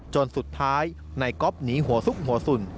จนสุดท้ายนายก๊อฟหนีหัวซุกหัวสุ่น